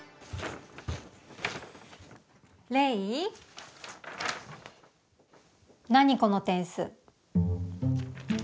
レイ何この点数。